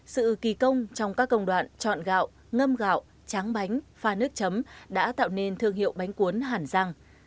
sự kỳ công trong các công đoạn chọn gạo ngâm gạo tráng bánh pha nước chấm đã tạo nên thương hiệu bánh cuốn hàn giang